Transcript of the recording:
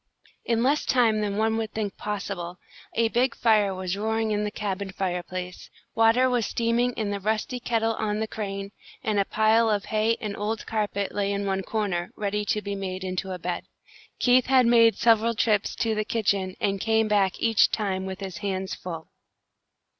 In less time than one would think possible, a big fire was roaring in the cabin fireplace, water was steaming in the rusty kettle on the crane, and a pile of hay and old carpet lay in one corner, ready to be made into a bed. Keith had made several trips to the kitchen, and came back each time with his hands full.